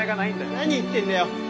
何言ってるんだよ！